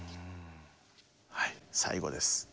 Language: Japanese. はい最後です。